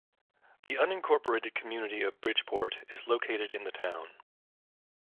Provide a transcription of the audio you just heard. The unincorporated community of Bridgeport is located in the town.